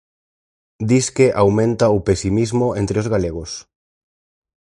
Disque aumenta o pesimismo entre os galegos: